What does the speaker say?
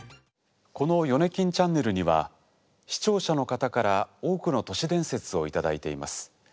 このヨネキンチャンネルには視聴者の方から多くの年伝説を頂いています。